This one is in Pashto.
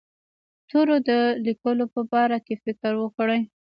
تورو د لیکلو په باره کې فکر وکړ.